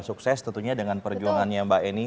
sukses tentunya dengan perjuangannya mbak eni